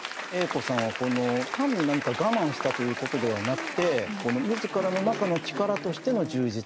Ａ子さんはこの単に何か我慢したということではなくて自らの中の力としての充実